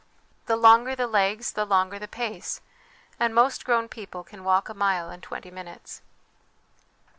The longer the legs the longer the pace, and most grown people can walk a mile in twenty minutes.